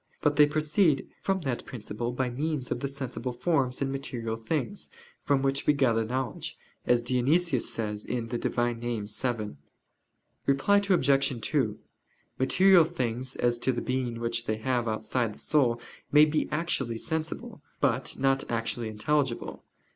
But they proceed from that principle by means of the sensible forms and material things, from which we gather knowledge, as Dionysius says (Div. Nom. vii). Reply Obj. 2: Material things, as to the being which they have outside the soul, may be actually sensible, but not actually intelligible.